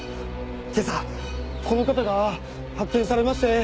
今朝この方が発見されまして。